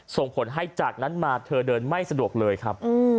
ส่งผลให้จากนั้นมาเธอเดินไม่สะดวกเลยครับ